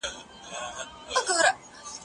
زه به نان خوړلی وي؟!